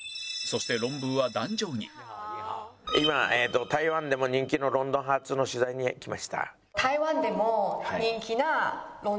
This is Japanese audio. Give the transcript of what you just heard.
「今台湾でも人気の『ロンドンハーツ』の取材に来ました」。